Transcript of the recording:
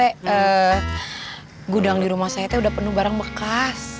karena gudang di rumah saya itu udah penuh barang bekas